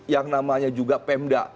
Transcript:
yang namanya juga pemda